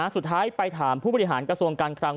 สุดท้ายไปถามผู้บริหารกระทรวงการคลัง